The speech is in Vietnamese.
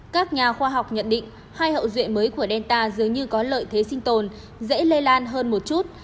các nhà khoa học nhận định hai hậu duệ mới của delta dường như có lợi thế sinh tồn dễ lây lan hơn một chút